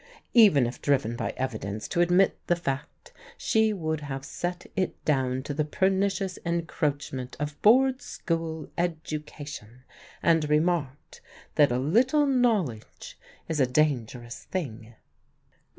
Even if driven by evidence to admit the fact she would have set it down to the pernicious encroachment of Board School education, and remarked that a little knowledge is a dangerous thing.